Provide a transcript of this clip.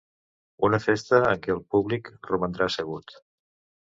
Una festa en què el públic romandrà assegut.